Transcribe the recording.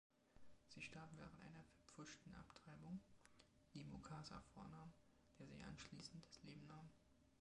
Sie starb während einer verpfuschten Abtreibung, die Mukasa vornahm, der sich anschließend das Leben nahm.